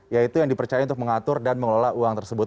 yaitu yang dipercaya untuk mengatur dan mengelola uang tersebut